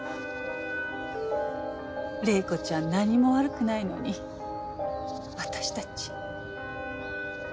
玲子ちゃん何も悪くないのに私たち。